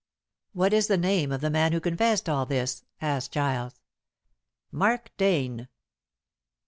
"What is the name of the man who confessed all this?" asked Giles. "Mark Dane."